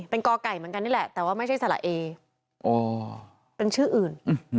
เป็นกอไก่เหมือนกันนี่แหละแต่ว่าไม่ใช่สละเอเป็นชื่ออื่น